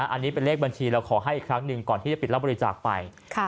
อันนี้เป็นเลขบัญชีเราขอให้อีกครั้งหนึ่งก่อนที่จะปิดรับบริจาคไป